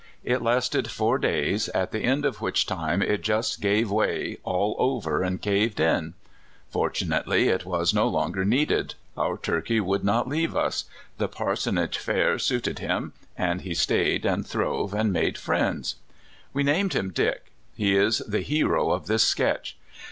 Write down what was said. It lasted four days, at the end of which time it just gave way all over, and caved in. Fortunately, it was no longer needed. Our turkey would not leave us. The parsonage fare suited him, and he stayed and throve and made friends. We named him Dick. He is the hero of this sketch.